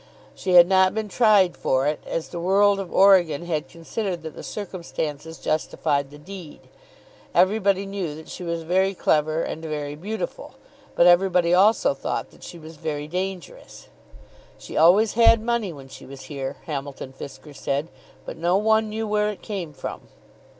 She had not been tried for it, as the world of Oregon had considered that the circumstances justified the deed. Everybody knew that she was very clever and very beautiful, but everybody also thought that she was very dangerous. "She always had money when she was here," Hamilton Fisker said, "but no one knew where it came from."